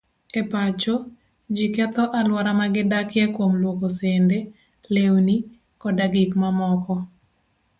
E pacho, ji ketho alwora ma gidakie kuom lwoko sende, lewni, koda gik mamoko.